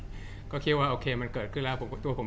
จากความไม่เข้าจันทร์ของผู้ใหญ่ของพ่อกับแม่